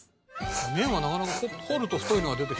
麺がなかなか掘ると太いのが出てきて。